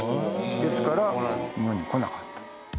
ですから日本に来なかった。